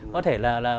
có thể là